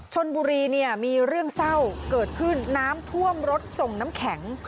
ชนบุรีเนี่ยมีเรื่องเศร้าเกิดขึ้นน้ำท่วมรถส่งน้ำแข็ง